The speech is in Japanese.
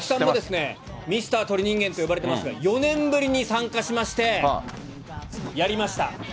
ミスター鳥人間と呼ばれておりますが、４年ぶりに参加しまして、やりました。